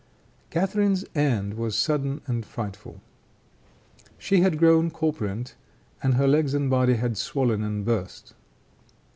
Catharine's end was sudden and frightful. She had grown corpulent, and her legs and body had swollen and burst.